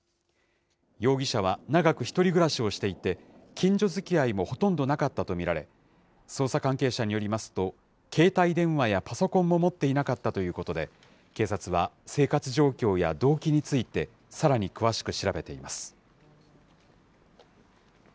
容疑者は長く１人暮らしをしていて、近所づきあいもほとんどなかったと見られ、捜査関係者によりますと、携帯電話やパソコンも持っていなかったということで、警察は生活状況や動機についてさらに詳しく調べています。